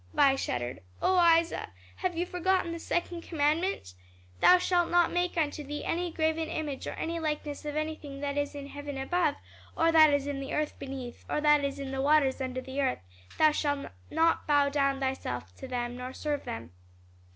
Vi shuddered. "O Isa, have you forgotten the second commandment? 'Thou shalt not make unto thee any graven image or any likeness of anything that is in heaven above, or that is in the earth beneath, or that is in the waters under the earth; thou shalt not bow down thyself to them nor serve them.'"